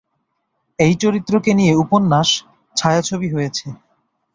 এই চরিত্রকে নিয়ে উপন্যাস, ছায়াছবি হয়েছে।